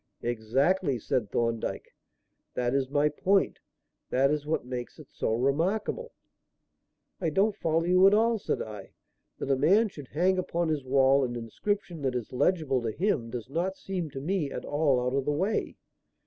"Exactly," said Thorndyke. "That is my point. That is what makes it so remarkable." "I don't follow you at all," said I. "That a man should hang upon his wall an inscription that is legible to him does not seem to me at all out of the way.